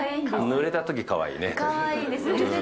ぬれたときかわいいね。